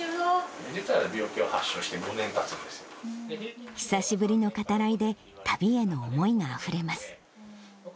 実は病気を発症して５年たつ久しぶりの語らいで、旅への思いがあふれます。